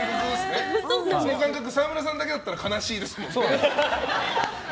その感覚沢村さんだけだったら悲しいですけどね。